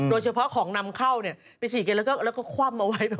โดยเฉพาะของนำเข้าไปฉีดกันแล้วก็คว่ำเอาไว้